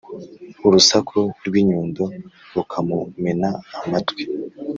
urusaku rw’inyundo rukamumena amatwi,